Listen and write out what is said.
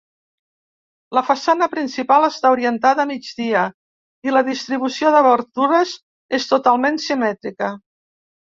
La façana principal està orientada a migdia i la distribució d'obertures és totalment simètrica.